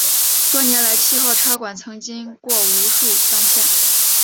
多年来七号差馆曾经过数次搬迁。